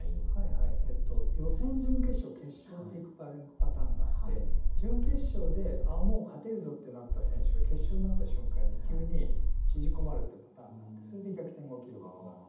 予選準決勝決勝っていくパターンがあって準決勝で「あもう勝てるぞ」ってなった選手が決勝になった瞬間に急に縮こまるってパターンがあってそれで逆転が起きることは。